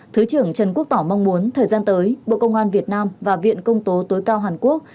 thứ trưởng trần quốc tỏ mong muốn thời gian tới bộ công an việt nam và viện công tố tối cao hàn quốc